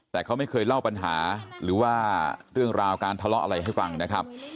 แต่เขาไม่เคยเล่าปัญหาหรือว่าเรื่องราวการทะเลาะอะไรให้ฟังนะครับ